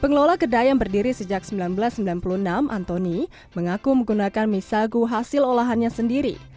pengelola kedai yang berdiri sejak seribu sembilan ratus sembilan puluh enam anthony mengaku menggunakan mie sagu hasil olahannya sendiri